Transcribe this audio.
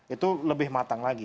itu lebih matang lagi